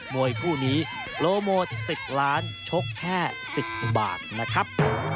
มวยคู่นี้โปรโมท๑๐ล้านชกแค่๑๐บาทนะครับ